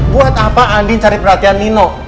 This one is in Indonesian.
buat apa andin cari perhatian nino